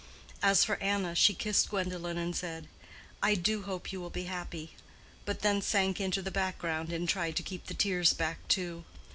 As for Anna, she kissed Gwendolen and said, "I do hope you will be happy," but then sank into the background and tried to keep the tears back too.